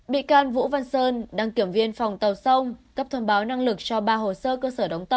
mỹ can vũ văn sơn đăng kiểm viên phòng tàu sông